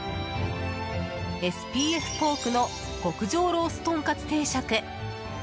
ＳＰＦポークの極上ローストンカツ定食。